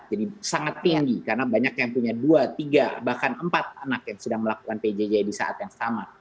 jadi sangat tinggi karena banyak yang punya dua tiga bahkan empat anak yang sedang melakukan pjj di saat yang sama